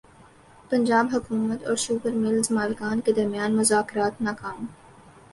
پنجاب حکومت اور sugar mills مالکان کے درمیان مذاکرات ناکام